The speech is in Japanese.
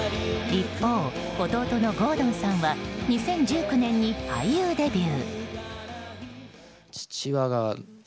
一方、弟の郷敦さんは２０１９年に俳優デビュー。